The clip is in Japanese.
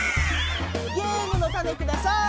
ゲームのタネください。